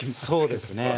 そうですね。